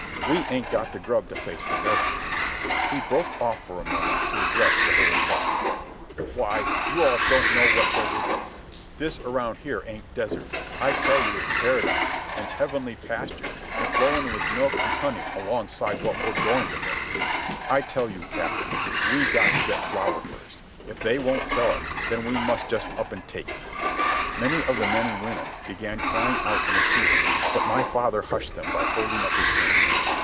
We ain't got the grub to face the desert." He broke off for a moment to address the whole crowd. "Why, you all don't know what desert is. This around here ain't desert. I tell you it's paradise, and heavenly pasture, an' flowin' with milk an' honey alongside what we're goin' to face." "I tell you, Captain, we got to get flour first. If they won't sell it, then we must just up an' take it." Many of the men and women began crying out in approval, but my father hushed them by holding up his hand.